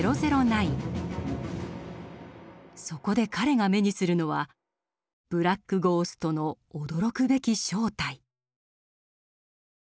そこで彼が目にするのはブラック・ゴーストの驚くべき正体。